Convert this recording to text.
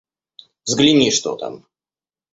Взгляни, что там!